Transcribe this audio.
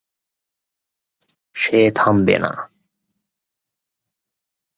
সে থামবে না।